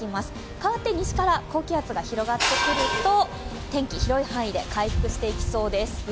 変わって西から高気圧が広がってくると天気、広い範囲で回復してきそうです。